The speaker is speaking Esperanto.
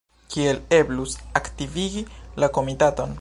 Kiel eblus aktivigi la komitaton?